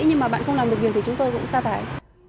nhưng mà bạn không làm được việc thì chúng tôi cũng xa thải